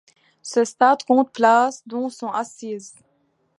Ce stade compte places, dont sont assises.